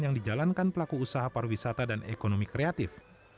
yang dijalankan pelaku usaha pariwisata dan ekonomi kreatif